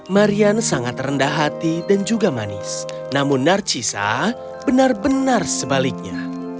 marian sangat rendah hati dan juga manis namun narcisa benar benar sebaliknya